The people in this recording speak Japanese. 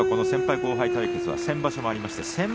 先輩後輩対決は先場所もありました。